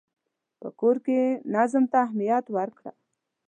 په کور کې نظم ته اهمیت ورکړه.